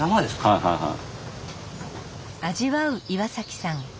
はいはいはい。